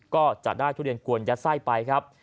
ก็จะได้ทุเรียนกวนยัดไส้ไปครับ